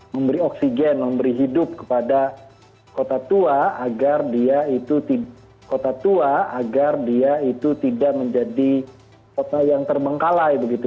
memberi oksigen memberi hidup kepada kota tua agar dia itu tidak menjadi kota yang termengkalai begitu